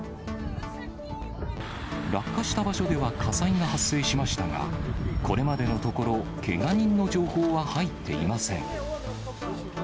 落下した場所では火災が発生しましたが、これまでのところ、けが人の情報は入っていません。